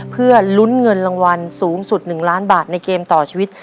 เพื่อลุ้นเงินรางวัลสูงสุด๑ล้านบาทในเกมต่อชีวิต